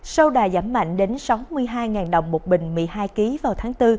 sau đà giảm mạnh đến sáu mươi hai đồng một bình một mươi hai kg vào tháng bốn